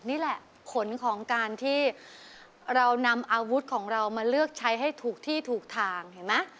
นี่แหละผลของการที่เรานำอาวุธของเรามาเลือกใช้ให้ถูกที่ถูกทางเห็นไหม